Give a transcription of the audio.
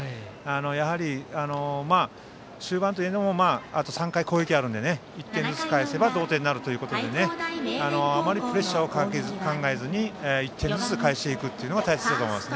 やはり、終盤といえどもあと３回攻撃があるので１点ずつ返せば同点になるということであまりプレッシャーを考えずに１点ずつ返すのが大切だと思います。